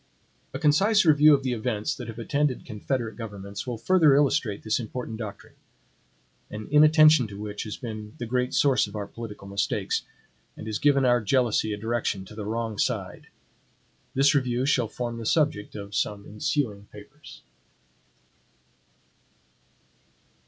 A concise review of the events that have attended confederate governments will further illustrate this important doctrine; an inattention to which has been the great source of our political mistakes, and has given our jealousy a direction to the wrong side. This review shall form the subject of some ensuing papers.